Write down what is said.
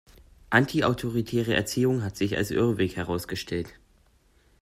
Antiautoritäre Erziehung hat sich als Irrweg herausgestellt.